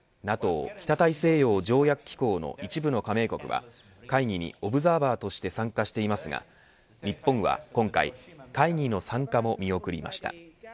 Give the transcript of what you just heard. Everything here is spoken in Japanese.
北大西洋条約機構の一部の加盟国は会議にオブザーバーとして参加していますが日本は今回、会議の参加も見送りました。